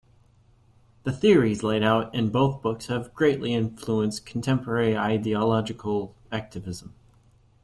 The theories laid out in both books have greatly influenced contemporary ideological activism.